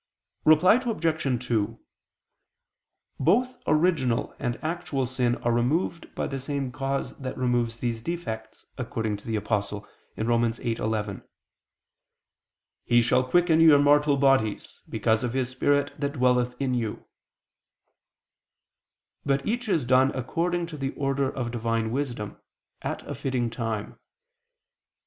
Reply Obj. 2: Both original and actual sin are removed by the same cause that removes these defects, according to the Apostle (Rom. 8:11): "He ... shall quicken ... your mortal bodies, because of His Spirit that dwelleth in you": but each is done according to the order of Divine wisdom, at a fitting time.